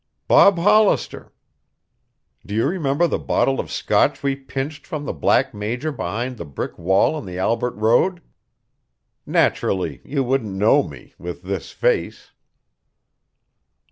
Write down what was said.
"Bob Hollister. Do you remember the bottle of Scotch we pinched from the Black Major behind the brick wall on the Albert Road? Naturally you wouldn't know me with this face."